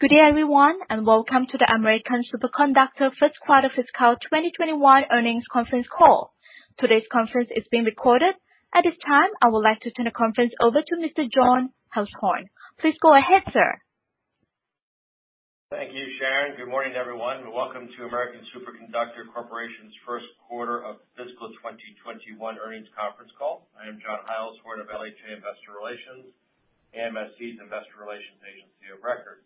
Good day, everyone, and welcome to the American Superconductor first quarter fiscal 2021 earnings conference call. Today's conference is being recorded. At this time, I would like to turn the conference over to Mr. John Heilshorn. Please go ahead, sir. Thank you, Sharon. Good morning, everyone, and welcome to American Superconductor Corporation's first quarter of fiscal 2021 earnings conference call. I am John Heilshorn of LHA Investor Relations, AMSC's investor relations agency of record.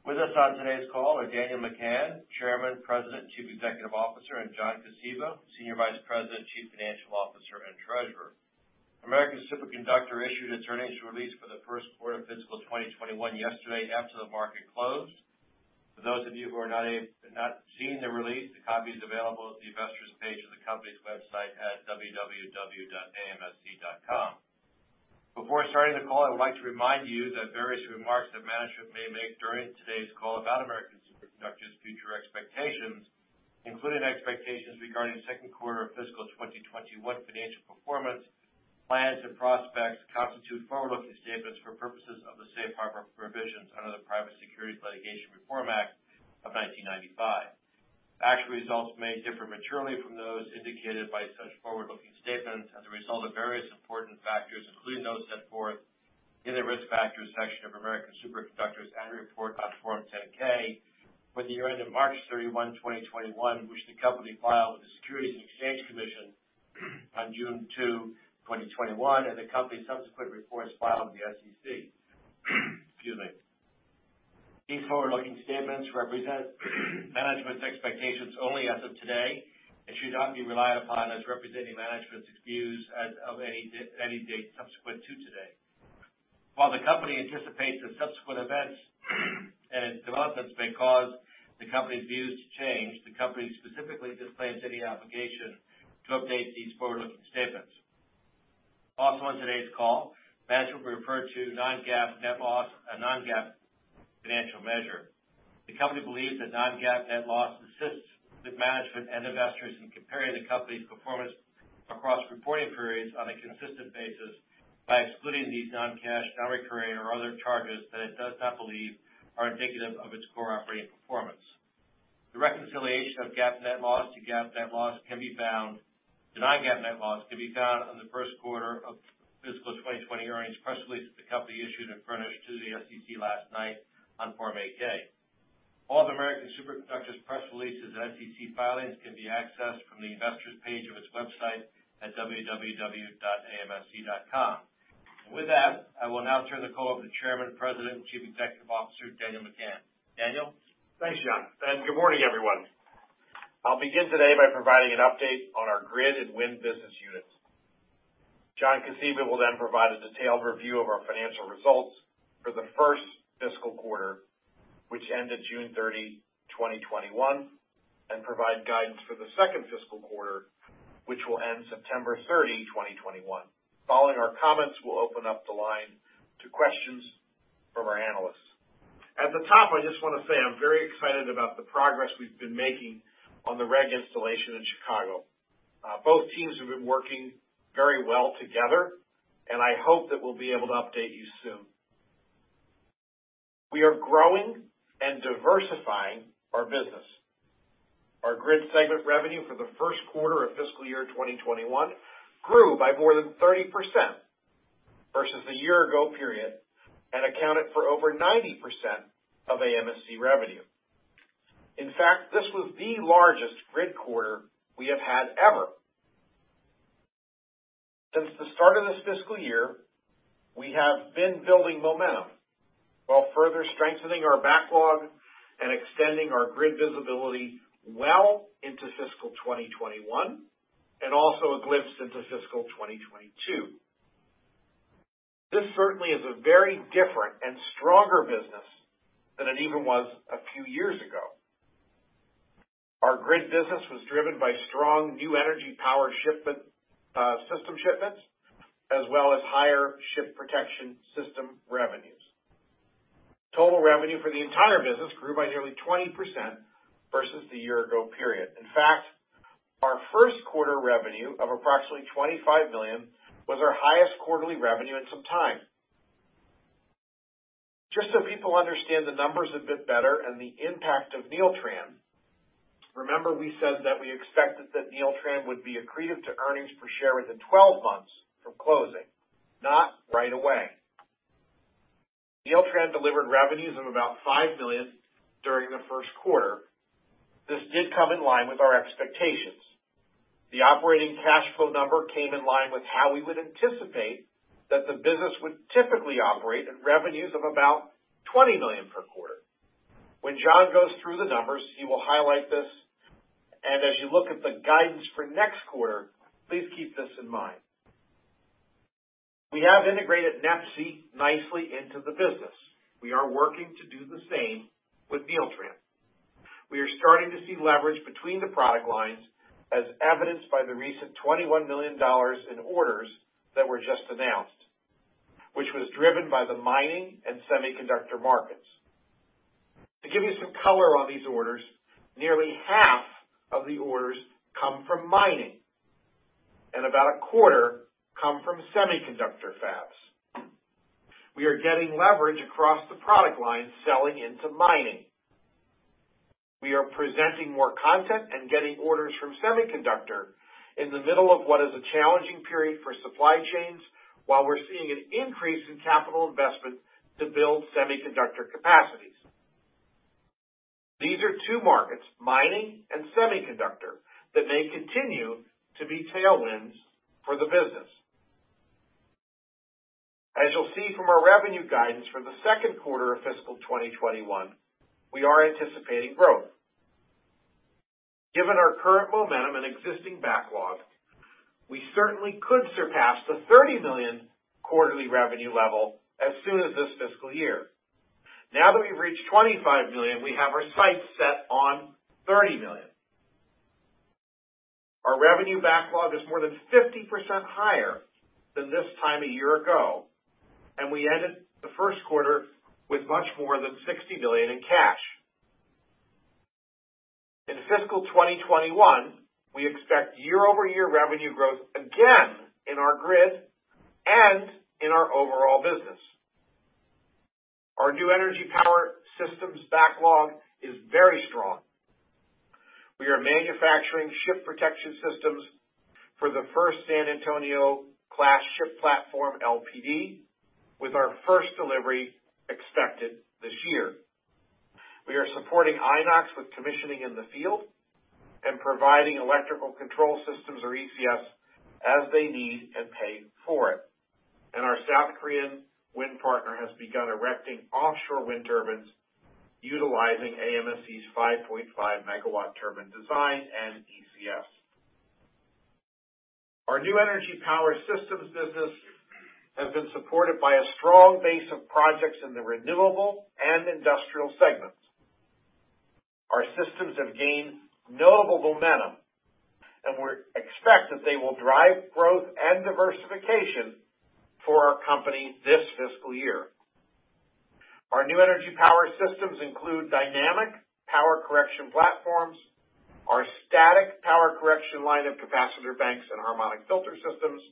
With us on today's call are Daniel McGahn, Chairman, President, and Chief Executive Officer, and John Kosiba, Senior Vice President, Chief Financial Officer, and Treasurer. American Superconductor issued its earnings release for the first quarter of fiscal 2021 yesterday after the market closed. For those of you who have not seen the release, the copy is available at the investor's page of the company's website at www.amsc.com. Before starting the call, I would like to remind you that various remarks that management may make during today's call about American Superconductor's future expectations, including expectations regarding second quarter fiscal 2021 financial performance, plans, and prospects constitute forward-looking statements for purposes of the safe harbor provisions under the Private Securities Litigation Reform Act of 1995. Actual results may differ materially from those indicated by such forward-looking statements as a result of various important factors, including those set forth in the Risk Factors section of American Superconductor's annual report on Form 10-K for the year ended March 31, 2021, which the company filed with the Securities and Exchange Commission on June 2, 2021, and the company's subsequent reports filed with the SEC. Excuse me. These forward-looking statements represent management's expectations only as of today and should not be relied upon as representing management's views of any date subsequent to today. While the company anticipates that subsequent events and developments may cause the company's views to change, the company specifically disclaims any obligation to update these forward-looking statements. On today's call, management will refer to non-GAAP net loss, a non-GAAP financial measure. The company believes that non-GAAP net loss assists with management and investors in comparing the company's performance across reporting periods on a consistent basis by excluding these non-cash, non-recurring, or other charges that it does not believe are indicative of its core operating performance. The reconciliation of GAAP net loss to non-GAAP net loss can be found on the first quarter of fiscal 2020 earnings press release that the company issued and furnished to the SEC last night on Form 8-K. All of American Superconductor's press releases and SEC filings can be accessed from the investors page of its website at www.amsc.com. With that, I will now turn the call over to Chairman, President, and Chief Executive Officer, Daniel McGahn. Daniel? Thanks, John, and good morning, everyone. I'll begin today by providing an update on our Grid and Wind business units. John Kosiba will then provide a detailed review of our financial results for the first fiscal quarter, which ended June 30, 2021, and provide guidance for the second fiscal quarter, which will end September 30, 2021. Following our comments, we'll open up the line to questions from our analysts. At the top, I just want to say I'm very excited about the progress we've been making on the REG installation in Chicago. Both teams have been working very well together, and I hope that we'll be able to update you soon. We are growing and diversifying our business. Our Grid segment revenue for the first quarter of fiscal year 2021 grew by more than 30% versus the year-ago period and accounted for over 90% of AMSC revenue. In fact, this was the largest Grid quarter we have had ever. Since the start of this fiscal year, we have been building momentum while further strengthening our backlog and extending our Grid visibility well into fiscal 2021, and also a glimpse into fiscal 2022. This certainly is a very different and stronger business than it even was a few years ago. Our Grid business was driven by strong New Energy Power Systems shipments, as well as higher ship protection system revenues. Total revenue for the entire business grew by nearly 20% versus the year-ago period. In fact, our first quarter revenue of approximately $25 million was our highest quarterly revenue in some time. Just so people understand the numbers a bit better and the impact of Neeltran, remember we said that we expected that Neeltran would be accretive to earnings per share within 12 months from closing, not right away. Neeltran delivered revenues of about $5 million during the first quarter. This did come in line with our expectations. The operating cash flow number came in line with how we would anticipate that the business would typically operate at revenues of about $20 million per quarter. When John goes through the numbers, he will highlight this, and as you look at the guidance for next quarter, please keep this in mind. We have integrated NEPSI nicely into the business. We are working to do the same with Neeltran. We are starting to see leverage between the product lines, as evidenced by the recent $21 million in orders that were just announced, which was driven by the mining and semiconductor markets. To give you some color on these orders, nearly half of the orders come from mining and about a quarter come from semiconductor fabs. We are getting leverage across the product line selling into mining. We are presenting more content and getting orders from semiconductor in the middle of what is a challenging period for supply chains, while we're seeing an increase in capital investment to build semiconductor capacities. These are two markets, mining and semiconductor, that may continue to be tailwinds for the business. As you'll see from our revenue guidance for the second quarter of fiscal 2021, we are anticipating growth. Given our current momentum and existing backlog, we certainly could surpass the $30 million quarterly revenue level as soon as this fiscal year. Now that we've reached $25 million, we have our sights set on $30 million. Our revenue backlog is more than 50% higher than this time a year ago, and we ended the first quarter with much more than $60 million in cash. In fiscal 2021, we expect year-over-year revenue growth again in our Grid and in our overall business. Our New Energy Power Systems backlog is very strong. We are manufacturing ship protection systems for the first San Antonio-class ship platform LPD, with our first delivery expected this year. We are supporting Inox with commissioning in the field and providing electrical control systems, or ECS, as they need and pay for it. Our South Korean wind partner has begun erecting offshore wind turbines utilizing AMSC's 5.5-megawatt turbine design and ECS. Our New Energy Power Systems business has been supported by a strong base of projects in the renewable and industrial segments. Our systems have gained notable momentum, and we expect that they will drive growth and diversification for our company this fiscal year. Our New Energy Power Systems include Dynamic Power Correction platforms, our Static Power Correction line of capacitor banks and harmonic filter systems,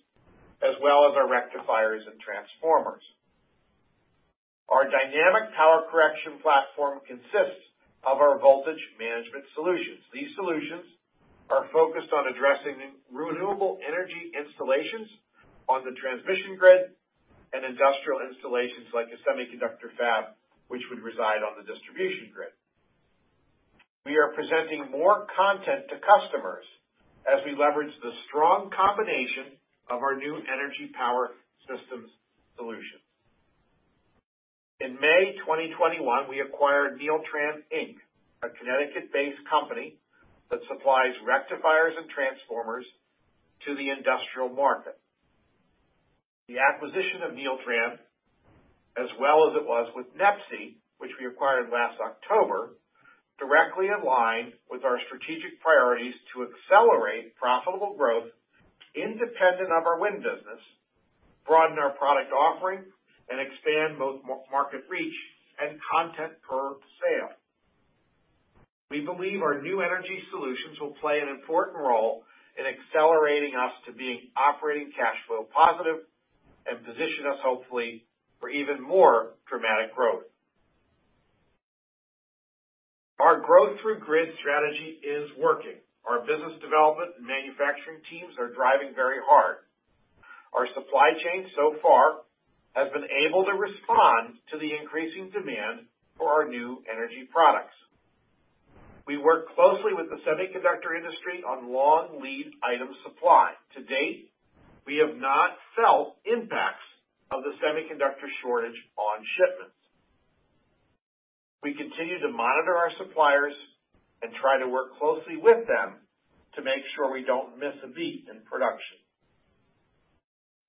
as well as our rectifiers and transformers. Our Dynamic Power Correction platform consists of our voltage management solutions. These solutions are focused on addressing renewable energy installations on the transmission grid and industrial installations like a semiconductor fab, which would reside on the distribution grid. We are presenting more content to customers as we leverage the strong combination of our New Energy Power Systems solutions. In May 2021, we acquired Neeltran, Inc., a Connecticut-based company that supplies rectifiers and transformers to the industrial market. The acquisition of Neeltran, as well as it was with NEPSI, which we acquired last October, directly aligned with our strategic priorities to accelerate profitable growth independent of our wind business, broaden our product offering, and expand both market reach and content per sale. We believe our new energy solutions will play an important role in accelerating us to being operating cash flow positive and position us hopefully for even more dramatic growth. Our growth through grid strategy is working. Our business development and manufacturing teams are driving very hard. Our supply chain so far has been able to respond to the increasing demand for our new energy products. We work closely with the semiconductor industry on long lead item supply. To date, we have not felt impacts of the semiconductor shortage on shipments. We continue to monitor our suppliers and try to work closely with them to make sure we don't miss a beat in production.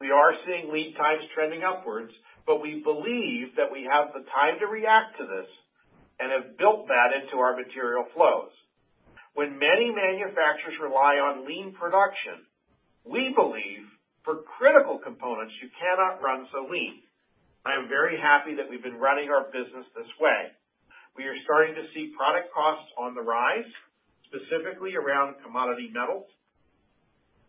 We are seeing lead times trending upwards, but we believe that we have the time to react to this and have built that into our material flows. When many manufacturers rely on lean production, we believe for critical components, you cannot run so lean. I am very happy that we've been running our business this way. We are starting to see product costs on the rise, specifically around commodity metals.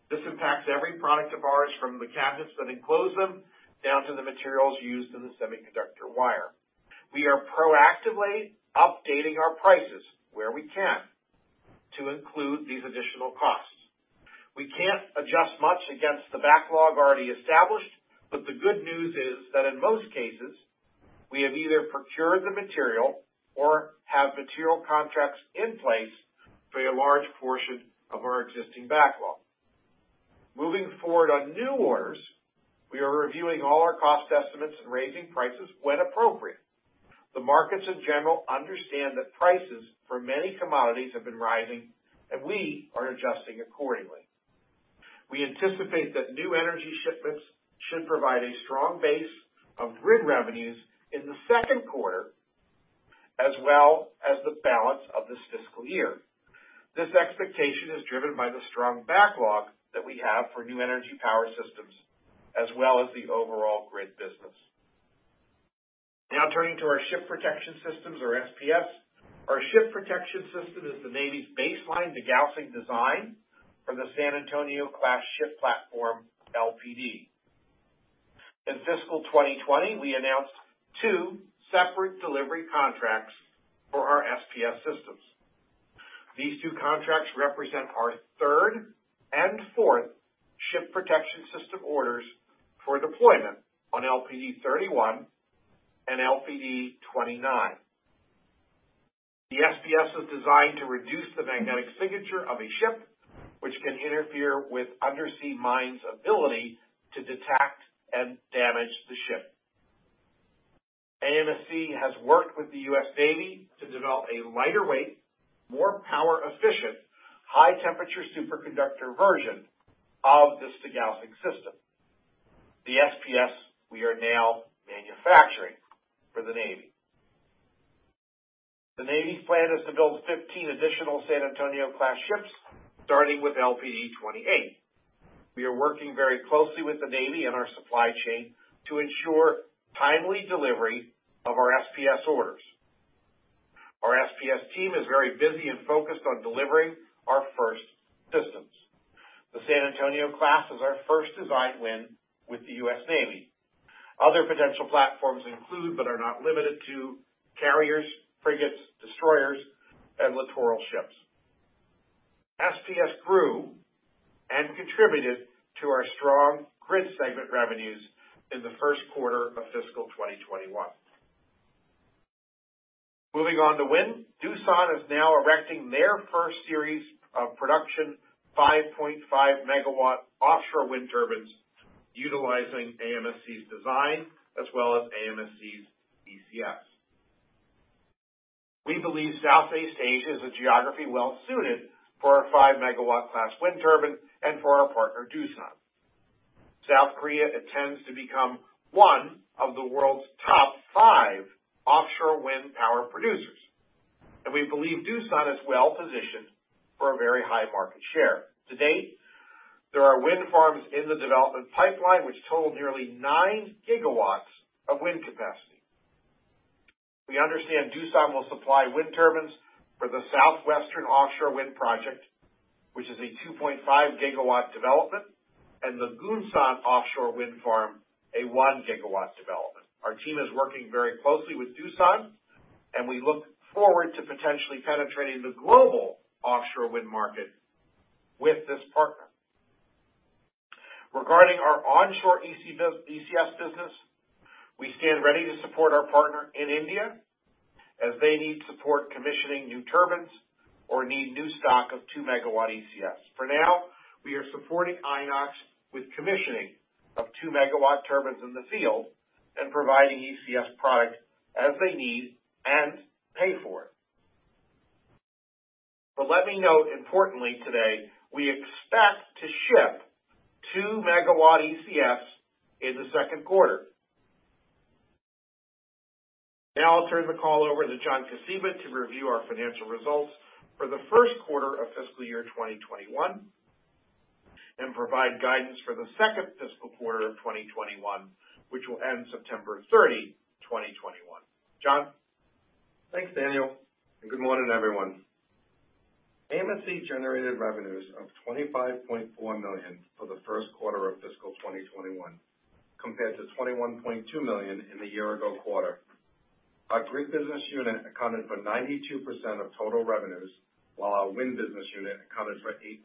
This impacts every product of ours from the cabinets that enclose them down to the materials used in the superconductor wire. We are proactively updating our prices where we can to include these additional costs. We can't adjust much against the backlog already established, but the good news is that in most cases, we have either procured the material or have material contracts in place for a large portion of our existing backlog. Moving forward on new orders, we are reviewing all our cost estimates and raising prices when appropriate. The markets in general understand that prices for many commodities have been rising, and we are adjusting accordingly. We anticipate that New Energy shipments should provide a strong base of Grid revenues in the second quarter, as well as the balance of this fiscal year. This expectation is driven by the strong backlog that we have for New Energy Power Systems, as well as the overall Grid business. Turning to our ship protection systems, or SPS. Our ship protection system is the Navy's baseline degaussing design for the San Antonio-class ship platform, LPD. In fiscal 2020, we announced 2 separate delivery contracts for our SPS systems. These two contracts represent our third and fourth ship protection system orders for deployment on LPD 31 and LPD 29. The SPS is designed to reduce the magnetic signature of a ship, which can interfere with undersea mines' ability to detect and damage the ship. AMSC has worked with the U.S. Navy to develop a lighter weight, more power-efficient, high-temperature superconductor version of this degaussing system. The SPS we are now manufacturing for the Navy. The Navy's plan is to build 15 additional San Antonio-class ships, starting with LPD 28. We are working very closely with the Navy and our supply chain to ensure timely delivery of our SPS orders. Our SPS team is very busy and focused on delivering our first systems. The San Antonio-class is our first design win with the U.S. Navy. Other potential platforms include, but are not limited to, carriers, frigates, destroyers, and littoral ships. SPS grew and contributed to our strong Grid segment revenues in the first quarter of fiscal year 2021. Moving on to wind. Doosan is now erecting their first series of production 5.5-megawatt offshore wind turbines utilizing AMSC's design as well as AMSC's ECS. We believe Southeast Asia is a geography well-suited for our five-megawatt class wind turbine and for our partner, Doosan. South Korea intends to become one of the world's top five offshore wind power producers, and we believe Doosan is well-positioned for a very high market share. To date, there are wind farms in the development pipeline which total nearly nine gigawatts of wind capacity. We understand Doosan will supply wind turbines for the Southwestern Offshore Wind Project, which is a 2.5-gigawatt development, and the Gunsan offshore wind farm, a 1-gigawatt development. Our team is working very closely with Doosan, and we look forward to potentially penetrating the global offshore wind market with this partner. Regarding our onshore ECS business, we stand ready to support our partner in India, as they need support commissioning new turbines or need new stock of two-megawatt ECS. For now, we are supporting Inox with commissioning of two-megawatt turbines in the field and providing ECS products as they need and pay for it. Let me note importantly today, we expect to ship 2-megawatt ECS in the second quarter. Now I'll turn the call over to John Kosiba to review our financial results for the first quarter of fiscal year 2021 and provide guidance for the second fiscal quarter of 2021, which will end September 30, 2021. John? Thanks, Daniel. Good morning, everyone. AMSC generated revenues of $25.4 million for the first quarter of fiscal 2021, compared to $21.2 million in the year-ago quarter. Our Grid Business Unit accounted for 92% of total revenues, while our Wind Business Unit accounted for 8%.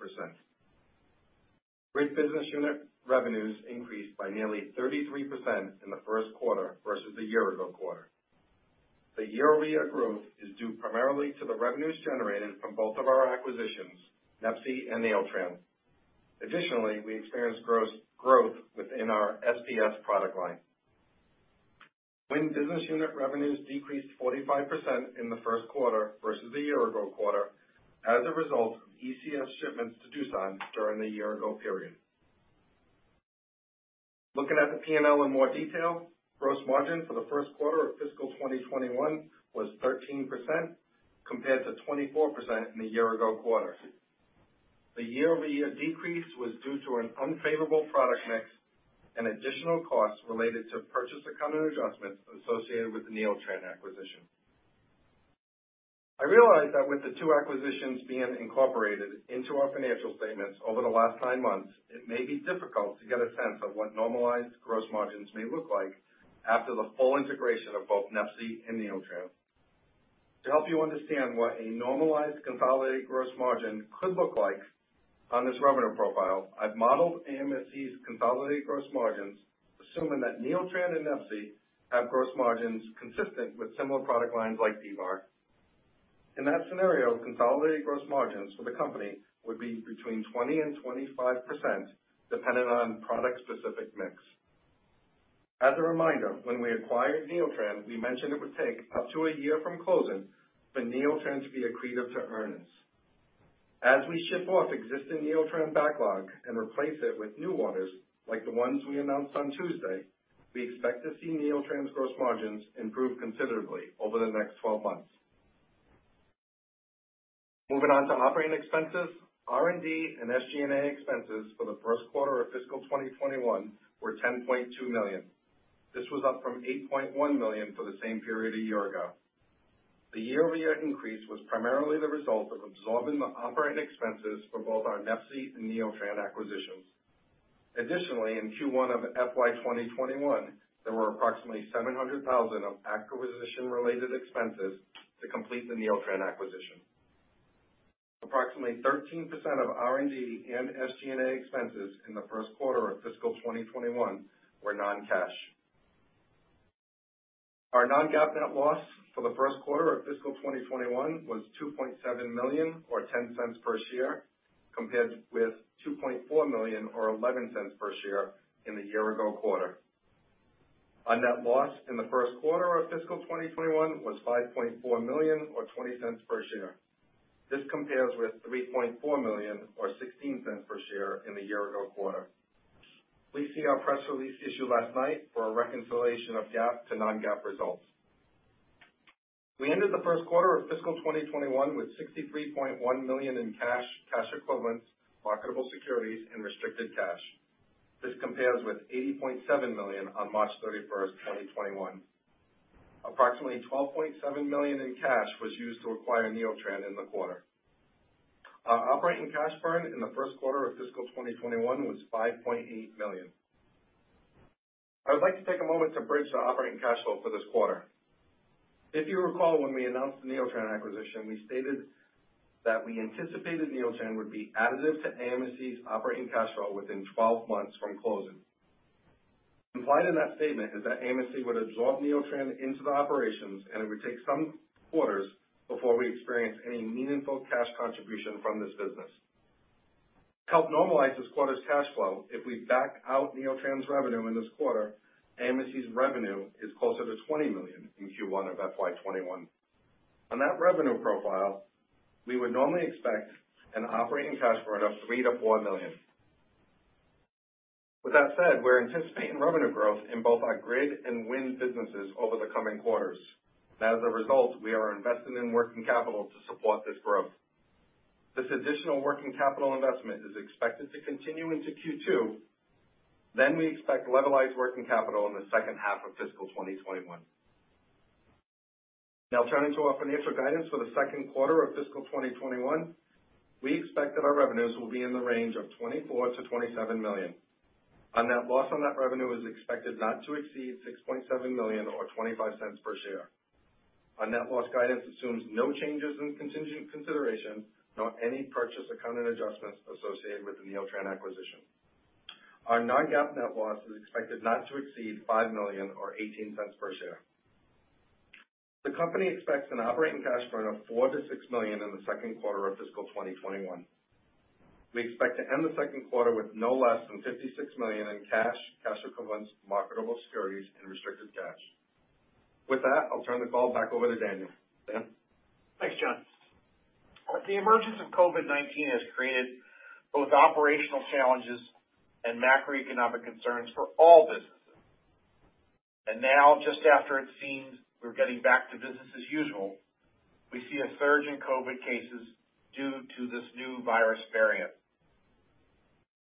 Grid Business Unit revenues increased by nearly 33% in the first quarter versus the year-ago quarter. The year-over-year growth is due primarily to the revenues generated from both of our acquisitions, NEPSI and Neeltran. Additionally, we experienced growth within our SPS product line. Wind Business Unit revenues decreased 45% in the first quarter versus the year-ago quarter as a result of ECS shipments to Doosan during the year-ago period. Looking at the P&L in more detail, gross margin for the first quarter of fiscal 2021 was 13%, compared to 24% in the year-ago quarter. The year-over-year decrease was due to an unfavorable product mix and additional costs related to purchase accounting adjustments associated with the Neeltran acquisition. I realize that with the two acquisitions being incorporated into our financial statements over the last nine months, it may be difficult to get a sense of what normalized gross margins may look like after the full integration of both NEPSI and Neeltran. To help you understand what a normalized consolidated gross margin could look like on this revenue profile, I've modeled AMSC's consolidated gross margins, assuming that Neeltran and NEPSI have gross margins consistent with similar product lines like D-VAR. In that scenario, consolidated gross margins for the company would be between 20% and 25%, dependent on product-specific mix. As a reminder, when we acquired Neeltran, we mentioned it would take up to a year from closing for Neeltran to be accretive to earnings. As we ship off existing Neeltran backlog and replace it with new orders, like the ones we announced on Tuesday. We expect to see Neeltran's gross margins improve considerably over the next 12 months. Moving on to operating expenses, R&D and SG&A expenses for the first quarter of fiscal 2021 were $10.2 million. This was up from $8.1 million for the same period a year ago. The year-over-year increase was primarily the result of absorbing the operating expenses for both our NEPSI and Neeltran acquisitions. Additionally, in Q1 of FY 2021, there were approximately $700,000 of acquisition-related expenses to complete the Neeltran acquisition. Approximately 13% of R&D and SG&A expenses in the first quarter of fiscal 2021 were non-cash. Our non-GAAP net loss for the first quarter of fiscal 2021 was $2.7 million, or $0.10 per share, compared with $2.4 million or $0.11 per share in the year-ago quarter. Our net loss in the first quarter of fiscal 2021 was $5.4 million or $0.20 per share. This compares with $3.4 million or $0.16 per share in the year-ago quarter. Please see our press release issued last night for a reconciliation of GAAP to non-GAAP results. We ended the first quarter of fiscal 2021 with $63.1 million in cash equivalents, marketable securities, and restricted cash. This compares with $80.7 million on March 31st, 2021. Approximately $12.7 million in cash was used to acquire Neeltran in the quarter. Our operating cash burn in the first quarter of fiscal 2021 was $5.8 million. I would like to take a moment to bridge the operating cash flow for this quarter. If you recall, when we announced the Neeltran acquisition, we stated that we anticipated Neeltran would be additive to AMSC's operating cash flow within 12 months from closing. Implied in that statement is that AMSC would absorb Neeltran into the operations, and it would take some quarters before we experience any meaningful cash contribution from this business. To help normalize this quarter's cash flow, if we back out Neeltran's revenue in this quarter, AMSC's revenue is closer to $20 million in Q1 of FY 2021. On that revenue profile, we would normally expect an operating cash burn of $3 million-$4 million. With that said, we're anticipating revenue growth in both our Grid and wind businesses over the coming quarters. As a result, we are investing in working capital to support this growth. This additional working capital investment is expected to continue into Q2. We expect levelized working capital in the second half of fiscal 2021. Turning to our financial guidance for the second quarter of fiscal 2021. We expect that our revenues will be in the range of $24 million to $27 million. Our net loss on that revenue is expected not to exceed $6.7 million or $0.25 per share. Our net loss guidance assumes no changes in contingent consideration, nor any purchase accounting adjustments associated with the Neeltran acquisition. Our non-GAAP net loss is expected not to exceed $5 million or $0.18 per share. The company expects an operating cash burn of $4 million to $6 million in the second quarter of fiscal 2021. We expect to end the second quarter with no less than $56 million in cash equivalents, marketable securities, and restricted cash. With that, I'll turn the call back over to Daniel. Dan? Thanks, John. The emergence of COVID-19 has created both operational challenges and macroeconomic concerns for all businesses. Now, just after it seems we're getting back to business as usual, we see a surge in COVID cases due to this new virus variant.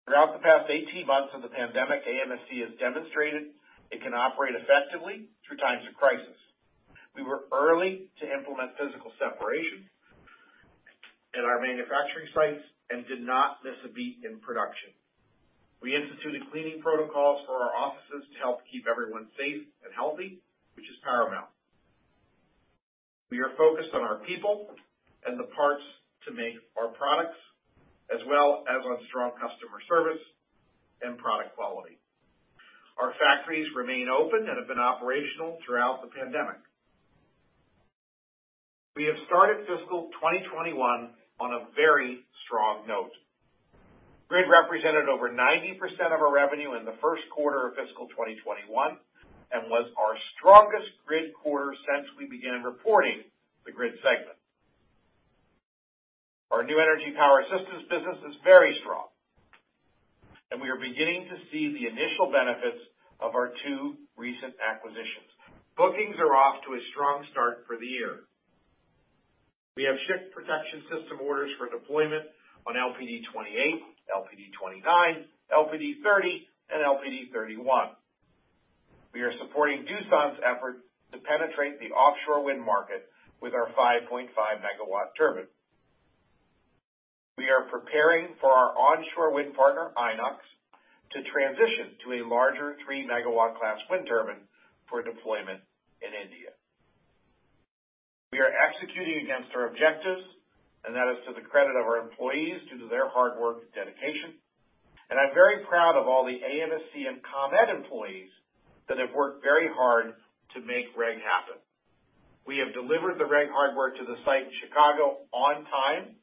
Throughout the past 18 months of the pandemic, AMSC has demonstrated it can operate effectively through times of crisis. We were early to implement physical separation in our manufacturing sites and did not miss a beat in production. We instituted cleaning protocols for our offices to help keep everyone safe and healthy, which is paramount. We are focused on our people and the parts to make our products, as well as on strong customer service and product quality. Our factories remain open and have been operational throughout the pandemic. We have started fiscal 2021 on a very strong note. Grid represented over 90% of our revenue in the first quarter of fiscal 2021 and was our strongest Grid quarter since we began reporting the Grid segment. Our New Energy Power Systems business is very strong, and we are beginning to see the initial benefits of our two recent acquisitions. Bookings are off to a strong start for the year. We have Ship Protection System orders for deployment on LPD28, LPD29, LPD30, and LPD31. We are supporting Doosan's efforts to penetrate the offshore wind market with our 5.5-megawatt turbine. We are preparing for our onshore wind partner, Inox, to transition to a larger three-megawatt class wind turbine for deployment in India. We are executing against our objectives, and that is to the credit of our employees due to their hard work and dedication. I'm very proud of all the AMSC and ComEd employees that have worked very hard to make REG happen. We have delivered the REG hardware to the site in Chicago on time,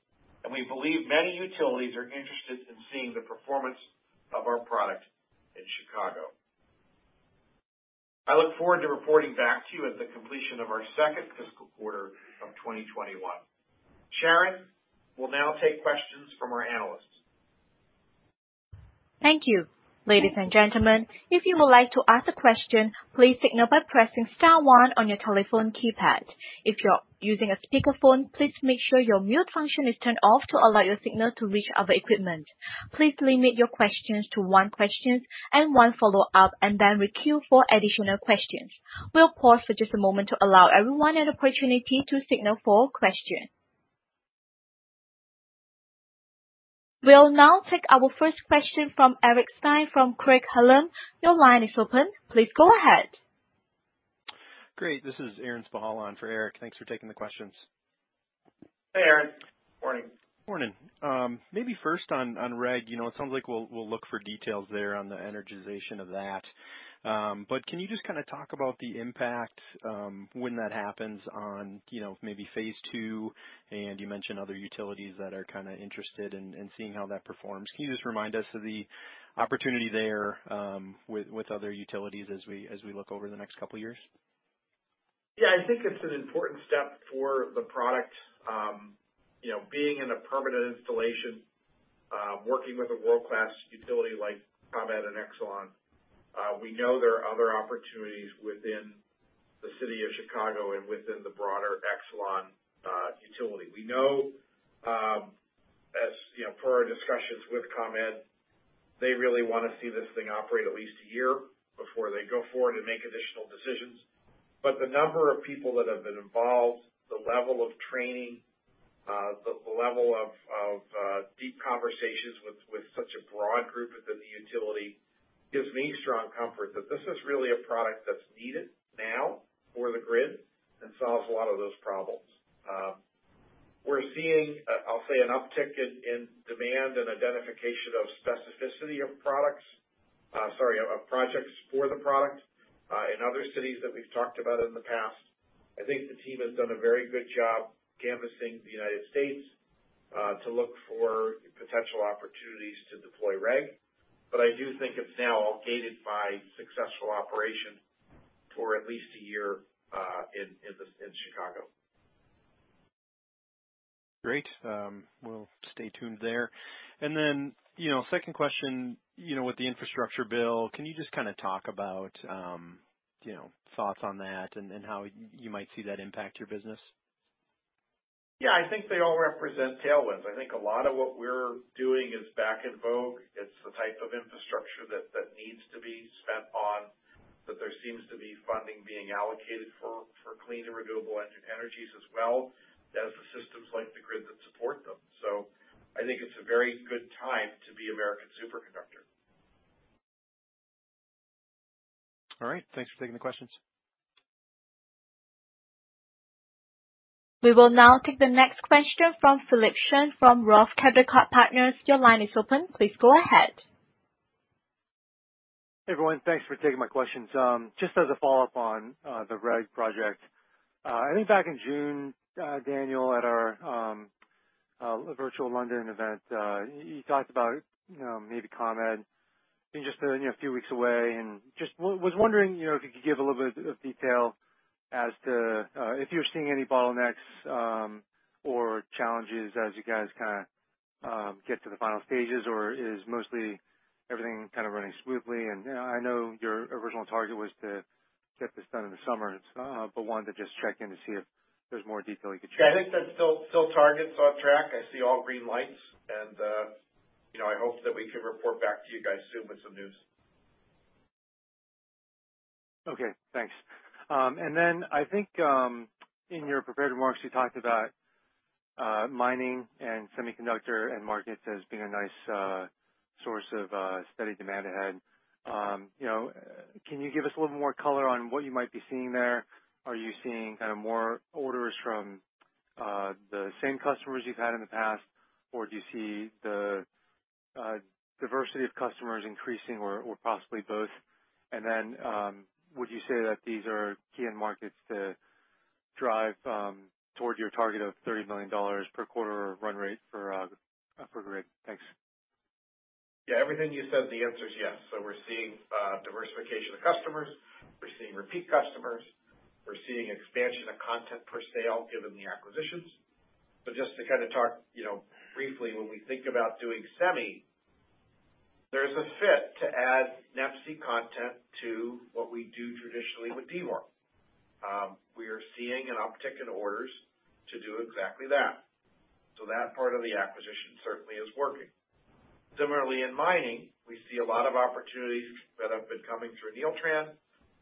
and we believe many utilities are interested in seeing the performance of our product in Chicago. I look forward to reporting back to you at the completion of our second fiscal quarter of 2021. Sharon will now take questions from our analysts. Thank you. Ladies and gentlemen, if you would like to ask a question, please signal by pressing star one on your telephone keypad. If you're using a speakerphone, please make sure your mute function is turned off to allow your signal to reach our equipment. Please limit your questions to 1 question and 1 follow-up, and then we queue for additional questions. We'll pause for just a moment to allow everyone an opportunity to signal for a question. We'll now take our first question from Eric Stine from Craig-Hallum. Your line is open. Please go ahead. Great. This is Aaron Spychalla on for Eric. Thanks for taking the questions. Hey, Aaron. Morning. Morning. Maybe first on REG, it sounds like we'll look for details there on the energization of that. Can you just talk about the impact, when that happens on maybe phase II, and you mentioned other utilities that are interested in seeing how that performs. Can you just remind us of the opportunity there, with other utilities as we look over the next couple of years? Yeah, I think it's an important step for the product. Being in a permanent installation, working with a world-class utility like ComEd and Exelon, we know there are other opportunities within the city of Chicago and within the broader Exelon utility. We know, per our discussions with ComEd, they really want to see this thing operate at least one year before they go forward and make additional decisions. The number of people that have been involved, the level of training, the level of deep conversations with such a broad group within the utility, gives me strong comfort that this is really a product that's needed now for the grid and solves a lot of those problems. We're seeing, I'll say, an uptick in demand and identification of specificity of projects for the product, in other cities that we've talked about in the past. I think the team has done a very good job canvassing the United States, to look for potential opportunities to deploy REG. I do think it's now all gated by successful operation for at least a year in Chicago. Great. We'll stay tuned there. Second question. With the infrastructure bill, can you just talk about thoughts on that and how you might see that impact your business? Yeah, I think they all represent tailwinds. I think a lot of what we're doing is back in vogue. It's the type of infrastructure that needs to be spent on, that there seems to be funding being allocated for clean and renewable energies as well as the systems like the grid that support them. I think it's a very good time to be American Superconductor. All right. Thanks for taking the questions. We will now take the next question from Philip Shen from Roth Capital Partners. Your line is open. Please go ahead. Hey, everyone. Thanks for taking my questions. Just as a follow-up on the REG project. I think back in June, Daniel, at our virtual London event, you talked about maybe ComEd being just a few weeks away and just was wondering if you could give a little bit of detail as to if you're seeing any bottlenecks or challenges as you guys get to the final stages, or is mostly everything running smoothly? I know your original target was to get this done in the summer, but wanted to just check in to see if there's more detail you could share. I think that still target's on track. I see all green lights and I hope that we can report back to you guys soon with some news. Okay, thanks. Then I think, in your prepared remarks, you talked about mining and semiconductor end markets as being a nice source of steady demand ahead. Can you give us a little more color on what you might be seeing there? Are you seeing more orders from the same customers you've had in the past, or do you see the diversity of customers increasing or possibly both? Then, would you say that these are key end markets to drive towards your target of $30 million per quarter of run rate for Grid? Thanks. Yeah, everything you said, the answer is yes. We're seeing diversification of customers. We're seeing repeat customers. We're seeing expansion of content per sale given the acquisitions. Just to talk briefly, when we think about doing semi, there's a fit to add NEPSI content to what we do traditionally with D-VAR. We are seeing an uptick in orders to do exactly that. That part of the acquisition certainly is working. Similarly, in mining, we see a lot of opportunities that have been coming through Neeltran,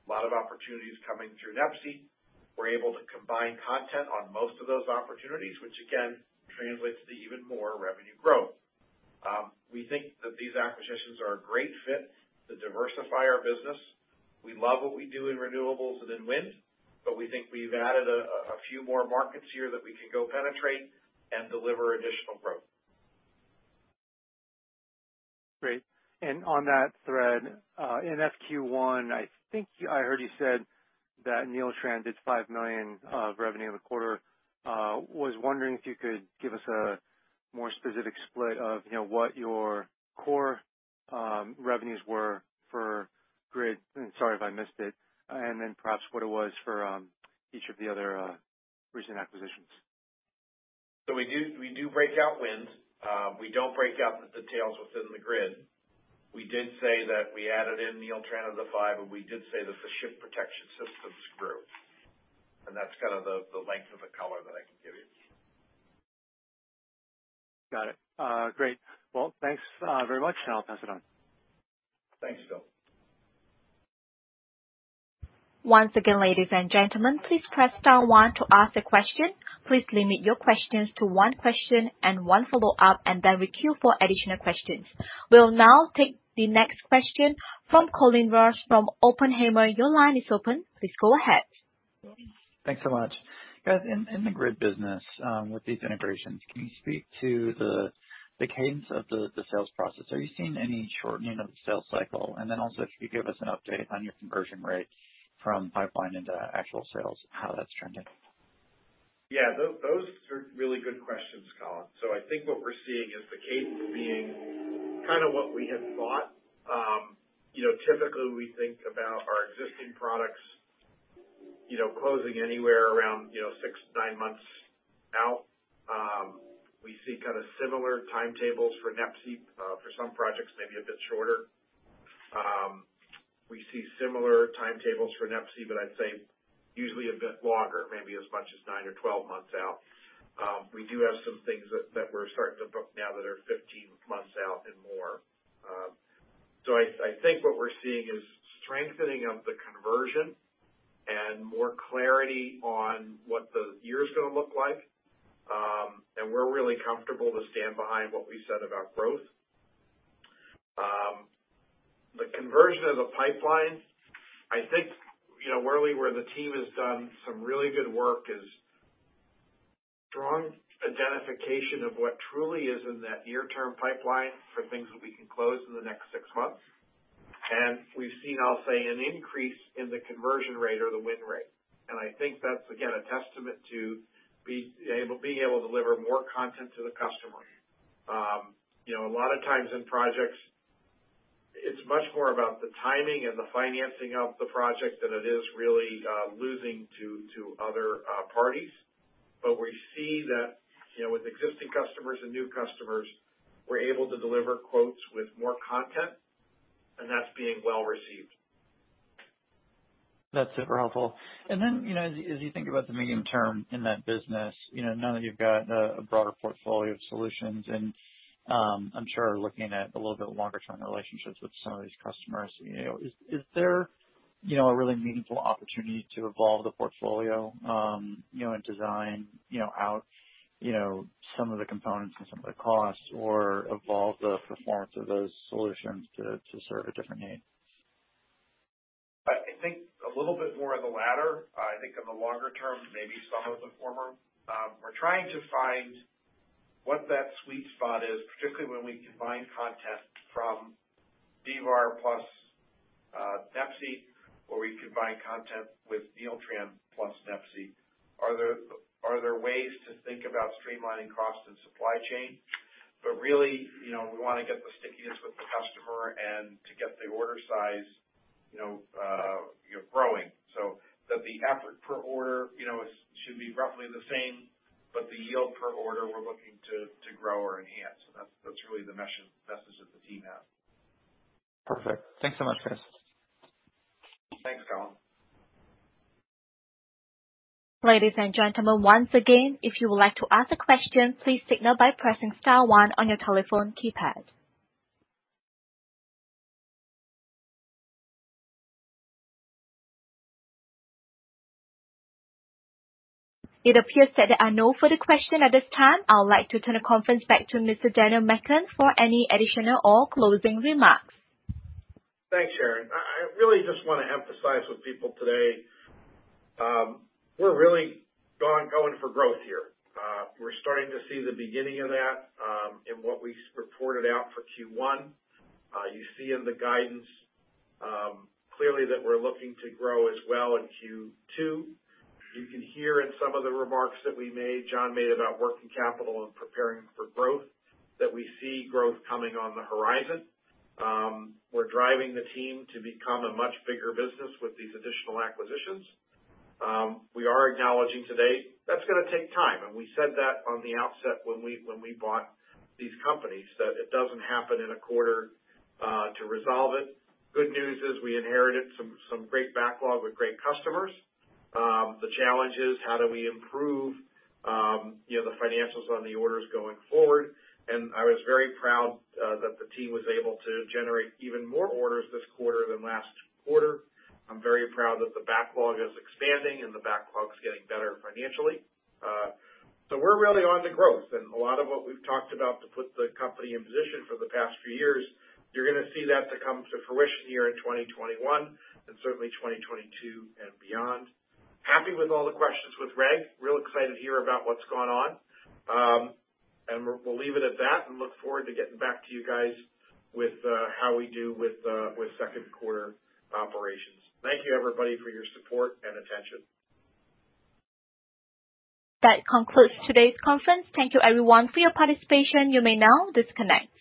a lot of opportunities coming through NEPSI. We're able to combine content on most of those opportunities, which again translates to even more revenue growth. We think that these acquisitions are a great fit to diversify our business. We love what we do in renewables and in wind, but we think we've added a few more markets here that we can go penetrate and deliver additional growth. Great. On that thread, in Q1, I think I heard you said that Neeltran did $5 million of revenue in the quarter. I was wondering if you could give us a more specific split of what your core revenues were for Grid. Sorry if I missed it. Then perhaps what it was for each of the other recent acquisitions. We do break out wind. We don't break out the details within the Grid. We did say that we added in the Neeltran of the five, and we did say that the ship protection systems grew. That's kind of the length of the color that I can give you. Got it. Great. Well, thanks very much, and I'll pass it on. Thanks, Phil. Once again, ladies and gentlemen, please press star one to ask a question. Please limit your questions to one question and one follow-up. We queue for additional questions. We'll now take the next question from Colin Rusch from Oppenheimer. Your line is open. Please go ahead. Thanks so much. Guys, in the Grid business, with these integrations, can you speak to the cadence of the sales process? Are you seeing any shortening of the sales cycle? Could you give us an update on your conversion rate from pipeline into actual sales, how that's trending? Yeah, those are really good questions, Colin. I think what we're seeing is the cadence being kind of what we had thought. Typically, we think about our existing products closing anywhere around six to nine months out. We see kind of similar timetables for NEPSI. For some projects, maybe a bit shorter. We see similar timetables for NEPSI, but I'd say usually a bit longer, maybe as much as nine or 12 months out. We do have some things that we're starting to book now that are 15 months out and more. I think what we're seeing is strengthening of the conversion and more clarity on what the year's going to look like. We're really comfortable to stand behind what we said about growth. The conversion of the pipeline, I think, really where the team has done some really good work is strong identification of what truly is in that near-term pipeline for things that we can close in the next six months. We've seen, I'll say, an increase in the conversion rate or the win rate. I think that's, again, a testament to being able to deliver more content to the customer. A lot of times in projects, it's much more about the timing and the financing of the project than it is really losing to other parties. We see that with existing customers and new customers, we're able to deliver quotes with more content, and that's being well-received. That's super helpful. As you think about the medium- term in that business, now that you've got a broader portfolio of solutions and I'm sure are looking at a little bit longer-term relationships with some of these customers, is there a really meaningful opportunity to evolve the portfolio, and design out some of the components and some of the costs or evolve the performance of those solutions to serve a different need? I think a little bit more of the latter. I think in the longer- term, maybe some of the former. We're trying to find what that sweet spot is, particularly when we combine content from D-VAR plus NEPSI, or we combine content with Neeltran plus NEPSI. Are there ways to think about streamlining costs and supply chain? Really, we want to get the stickiness with the customer and to get the order size growing, so that the effort per order should be roughly the same, but the yield per order we're looking to grow or enhance. That's really the message that the team has. Perfect. Thanks so much, guys. Thanks, Colin. Ladies and gentlemen, once again, if you would like to ask a question, please signal by pressing star one on your telephone keypad. It appears that there are no further questions at this time. I would like to turn the conference back to Mr. Daniel McGahn for any additional or closing remarks. Thanks, Sharon. I really just want to emphasize with people today, we're really going for growth here. We're starting to see the beginning of that in what we reported out for Q1. You see in the guidance clearly that we're looking to grow as well in Q2. You can hear in some of the remarks that we made, John made about working capital and preparing for growth, that we see growth coming on the horizon. We're driving the team to become a much bigger business with these additional acquisitions. We are acknowledging today that's going to take time, and we said that on the outset when we bought these companies, that it doesn't happen in a quarter to resolve it. Good news is we inherited some great backlog with great customers. The challenge is how do we improve the financials on the orders going forward, I was very proud that the team was able to generate even more orders this quarter than last quarter. I'm very proud that the backlog is expanding and the backlog's getting better financially. We're really on to growth. A lot of what we've talked about to put the company in position for the past few years, you're going to see that to come to fruition here in 2021 and certainly 2022 and beyond. Happy with all the questions with Reg. Real excited to hear about what's going on. We'll leave it at that and look forward to getting back to you guys with how we do with second quarter operations. Thank you everybody for your support and attention. That concludes today's conference. Thank you everyone for your participation. You may now disconnect.